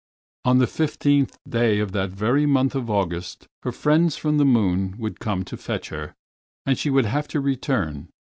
On the fifteenth day of that very month of August her friends from the moon would come to fetch her, and she would have to return.